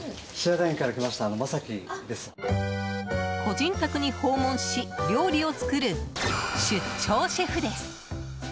個人宅に訪問し、料理を作る出張シェフです。